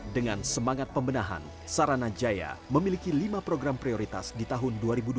dengan semangat pembenahan sarana jaya memiliki lima program prioritas di tahun dua ribu dua puluh